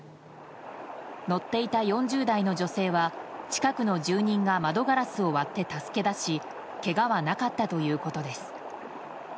乗っていた４０代の女性は近くの住人が窓ガラスを割って助けだしけがはなかったということです。